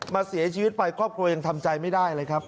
มาเสียชีวิตไปครอบครัวยังทำใจไม่ได้เลยครับ